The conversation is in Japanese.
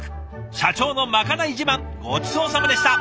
社長のまかない自慢ごちそうさまでした。